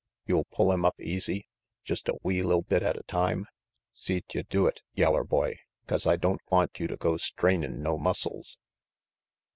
You'll pull him up easy, jest a wee li'l bit at a time? See't you do it, yeller boy, 'cause I don't want you to go strainin' no muscles."